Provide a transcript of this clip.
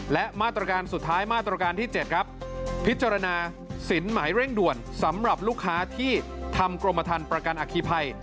และมาตรการสุดท้ายมาตรการที่๗ครับพิจารณาสินหมายเร่งด่วนสำหรับลูกค้าที่ทำกรมฐานประกันอคีภัย